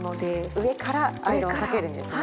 上からアイロンをかけるんですね。